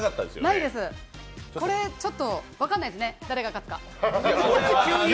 ないです、これ、ちょっと分かんないですね、誰が勝つか。